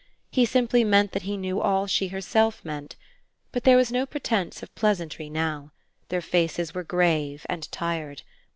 He simply meant that he knew all she herself meant. But there was no pretence of pleasantry now: their faces were grave and tired.